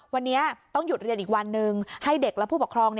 วันนี้ต้องหยุดเรียนอีกวันหนึ่งให้เด็กและผู้ปกครอง